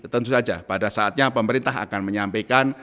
tentu saja pada saatnya pemerintah akan menyampaikan